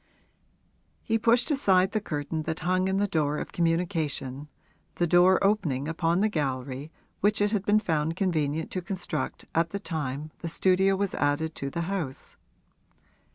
He pushed aside the curtain that hung in the door of communication the door opening upon the gallery which it had been found convenient to construct at the time the studio was added to the house.